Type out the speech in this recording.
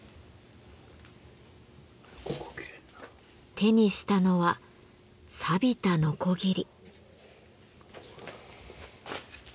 手にしたのはさびたのこぎり。